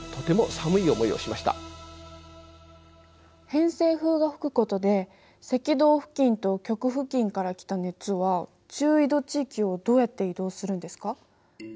偏西風が吹くことで赤道付近と極付近から来た熱は中緯度地域をどうやって移動するんですか？